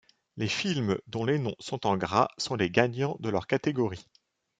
Les films dont les noms sont en gras sont les gagnants de leur catégorie.